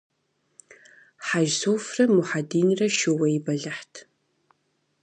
Хьэжсуфрэ Мухьэдинрэ шууей бэлыхьт.